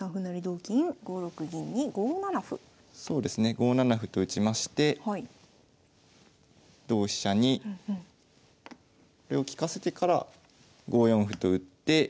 ５七歩と打ちまして同飛車にこれを利かせてから５四歩と打って。